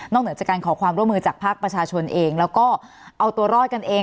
เหนือจากการขอความร่วมมือจากภาคประชาชนเองแล้วก็เอาตัวรอดกันเอง